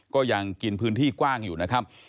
ก็ยังกินพื้นที่กว้างอยู่นะครับ